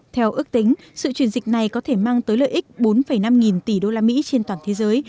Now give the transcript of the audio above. theo ước tính sự chuyển dịch này có thể mang tới lợi ích bốn năm nghìn tỷ usd trên toàn thế giới